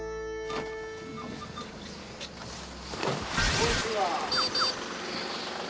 こんにちは。